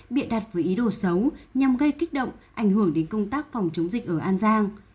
bịa đặt với ý đồ xấu nhằm gây kích động ảnh hưởng đến công tác phòng chống dịch ở an giang